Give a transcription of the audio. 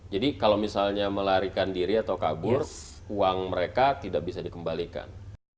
jadi kalau misalnya melarikan diri atau kabur uang mereka tidak bisa dikembalikan